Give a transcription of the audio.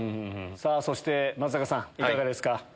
そして松坂さんいかがですか？